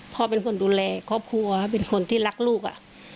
พ่อเป็นคนดูแลครอบครัวเป็นคนที่รักลูก